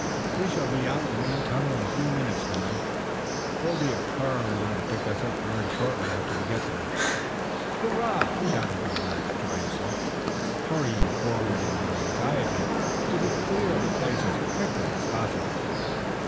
We shall be out in the main tunnel in a few minutes now. There will be a car along to pick us up very shortly after we get there." "Hurrah!" shouted the lads joyously, hurrying forward in their anxiety to be clear of the place as quickly as possible.